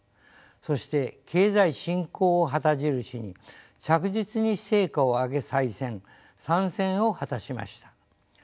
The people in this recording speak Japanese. そして経済振興を旗印に着実に成果を上げ再選３選を果たしました。